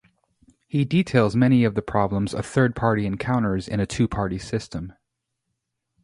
He details many of the problems a third party encounters in a two-party system.